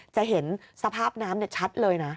จะเห็นสภาพน้ำชัดเลยนะ